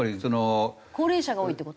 高齢者が多いって事？